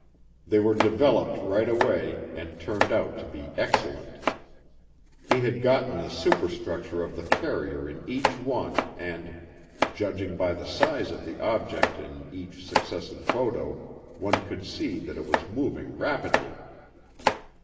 They were developed right away and turned out to be excellent. He had gotten the superstructure of the carrier in each one and, judging by the size of the object in each successive photo, one could see that it was moving rapidly.